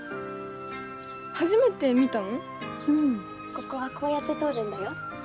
ここはこうやって通るんだよ。